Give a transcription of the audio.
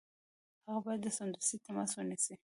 هغه باید سمدستي تماس ونیسي.